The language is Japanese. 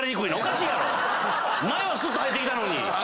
前はすっと入ったのに。